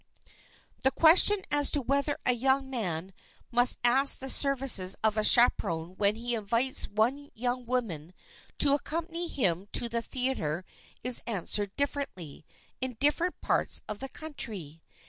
The question as to whether a young man must ask the services of a chaperon when he invites one young woman to accompany him to the theater is answered differently in different parts of the country.